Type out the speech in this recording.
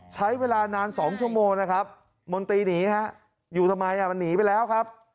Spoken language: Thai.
ใช้เวลานาน๒ชั่วโมงนะครับมนตรีหนีฮะอยู่ทำไมมันหนีไปแล้วครับ